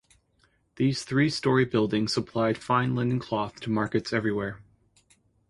These three-storey buildings supplied fine linen cloth to markets everywhere.